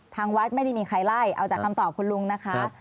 ทางวัดไม่ได้มีใครไล่เอาจากคำตอบคุณลุงนะคะ